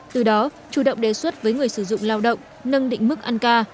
từ đó chủ động đề xuất với người sử dụng lao động nâng định mức ăn ca